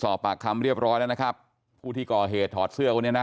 สอบปากคำเรียบร้อยแล้วนะครับผู้ที่ก่อเหตุถอดเสื้อคนนี้นะ